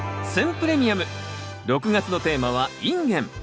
プレミアム６月のテーマは「インゲン」。